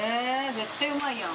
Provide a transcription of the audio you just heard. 絶対うまいやん。